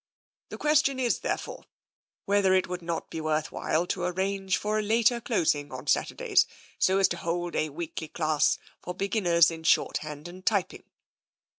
The question is, therefore, whether it would not be worth while to ar range for a later closing on Saturdays, so as to hold a weekly class for beginners in shorthand and typing."